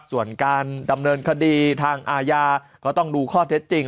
ส่วนการดำเนินคดีทางอาญาก็ต้องดูข้อเท็จจริง